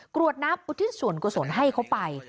กรวดนับอุทิศสวรรค์กระสวนให้เขาไป